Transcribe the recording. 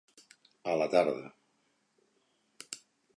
A la tarda.